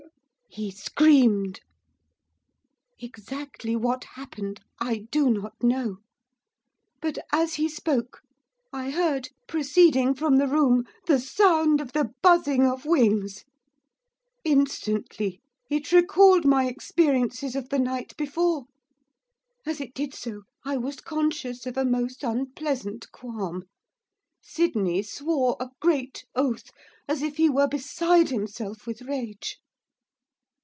'It's coming!' he screamed. Exactly what happened I do not know. But, as he spoke, I heard, proceeding from the room, the sound of the buzzing of wings. Instantly it recalled my experiences of the night before, as it did so I was conscious of a most unpleasant qualm. Sydney swore a great oath, as if he were beside himself with rage.